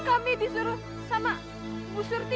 kami disuruh sama bu surti